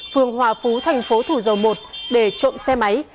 phường hòa phú thành phố thủ dầu một để trộm xe máy